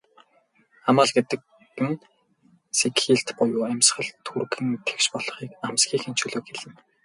Амал гэдэг нь сэгхийлт буюу амьсгал түргэн тэгш болохыг, амсхийхийн чөлөөг хэлнэ.